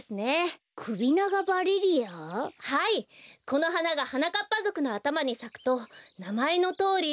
このはながはなかっぱぞくのあたまにさくとなまえのとおり。